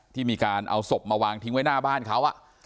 ที่มีการเอาศพมาวางทิ้งไว้หน้าบ้านเขา